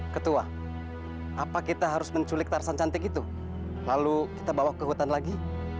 ketua apa kita harus menculik tarsan cantik itu lalu kita bawa ke hutan lagi